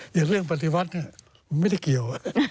อย่างเรื่องปฏิวัติมันไม่ได้เกี่ยว